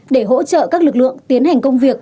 để hỗ trợ các lực lượng tiến hành công việc